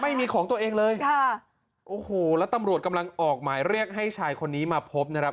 ไม่มีของตัวเองเลยค่ะโอ้โหแล้วตำรวจกำลังออกหมายเรียกให้ชายคนนี้มาพบนะครับ